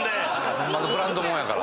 ホンマのブランドもんやから。